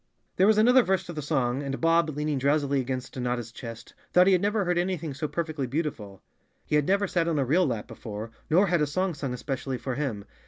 " There was another verse to the song, and Bob, lean¬ ing drowsily against Notta's chest, thought he had never heard anything so perfectly beautiful. He had never sat on a real lap before, nor had a song sung es¬ pecially for him.